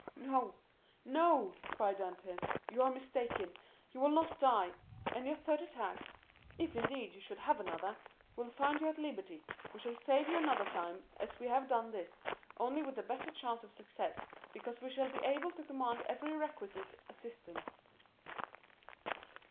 "No, no," cried Dantès; "you are mistaken—you will not die! And your third attack (if, indeed, you should have another) will find you at liberty. We shall save you another time, as we have done this, only with a better chance of success, because we shall be able to command every requisite assistance."